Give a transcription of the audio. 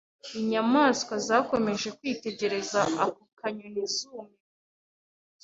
Inyamaswa zakomeje kwitegereza ako kanyoni zumiwe